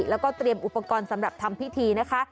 แล้วก็เตรียมอุปกรณ์สำหรับทำพิธีนะคะ